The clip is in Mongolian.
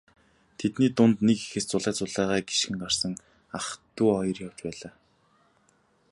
Тэдний дунд нэг эхээс зулай зулайгаа гишгэн гарсан ах дүү хоёр явж байлаа.